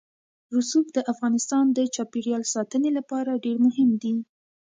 رسوب د افغانستان د چاپیریال ساتنې لپاره ډېر مهم دي.